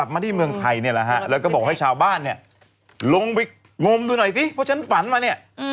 เพราะฉะนั้นฝันมาเนี่ย